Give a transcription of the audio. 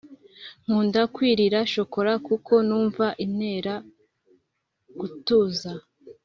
Nkunda kwirira shokola kuko numva inera gutuza